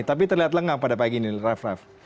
tapi terlihat lengang pada pagi ini raff raff